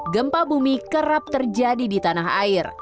gempa bumi kerap terjadi di tanah air